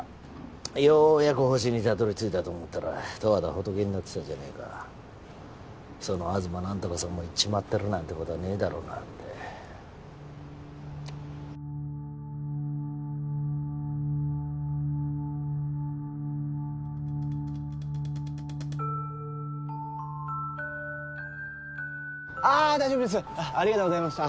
ようやくホシにたどり着いたと思ったら十和田仏になってたじゃねえかその東何とかさんも逝っちまってるなんてこたぁねえだろうなってああ大丈夫ですありがとうございました